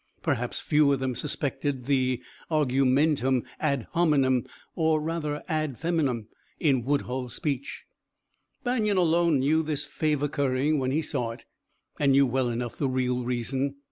Perhaps few of them suspected the argumentum ad hominem or rather ad feminam in Woodhull's speech. Banion alone knew this favor currying when he saw it, and knew well enough the real reason.